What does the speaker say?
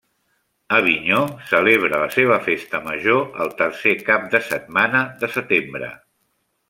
Avinyó celebra la seva Festa major el tercer cap de setmana de setembre.